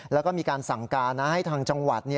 แล้วก็มีการสั่งการให้ทางจังหวัด